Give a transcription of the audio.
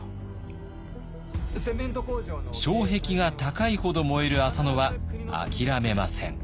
障壁が高いほど燃える浅野は諦めません。